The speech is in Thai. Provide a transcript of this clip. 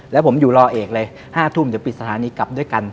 แล้วผมอยู่รอเอกเลย๕ทุ่มเดี๋ยวปิดสถานีกลับด้วยกัน